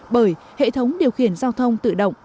bởi hệ thống điều khiển giao thông tự động